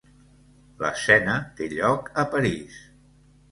L'escena té lloc a París.